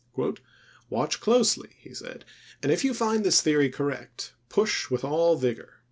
" Watch closely," he said, "and if you find this theory correct, push with all vigor."